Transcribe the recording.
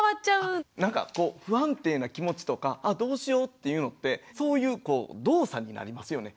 なんかこう不安定な気持ちとかあどうしようっていうのってそういうこう動作になりますよね。